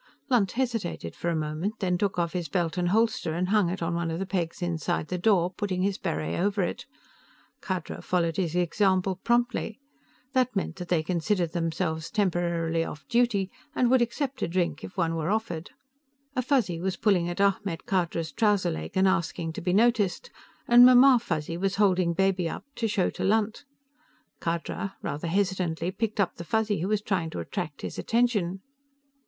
Lunt hesitated for a moment, then took off his belt and holster and hung it on one of the pegs inside the door, putting his beret over it. Khadra followed his example promptly. That meant that they considered themselves temporarily off duty and would accept a drink if one were offered. A Fuzzy was pulling at Ahmed Khadra's trouser leg and asking to be noticed, and Mamma Fuzzy was holding Baby up to show to Lunt. Khadra, rather hesitantly, picked up the Fuzzy who was trying to attract his attention.